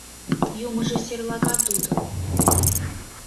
— Юмыжо серлага тудо...